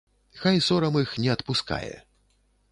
Хай сорам іх не адпускае.